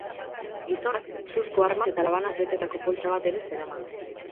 Gizonak suzko armaz eta labanaz betetako poltsa bat ere zeraman.